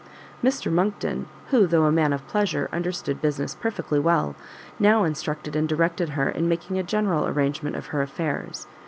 Mr Monckton, who, though a man of pleasure, understood business perfectly well, now instructed and directed her in making a general arrangement of her affairs.